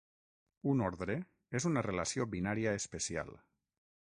Un ordre és una relació binària especial.